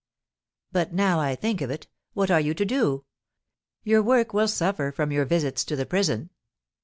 "But, now I think of it, what are you to do? Your work will suffer from your visits to the prison."